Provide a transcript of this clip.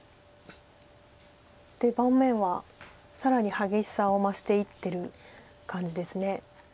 盤面は更に激しさを増していってる感じです。